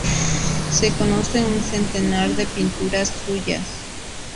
Se conocen un centenar de pinturas suyas.